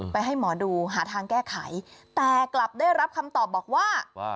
ให้หมอดูหาทางแก้ไขแต่กลับได้รับคำตอบบอกว่า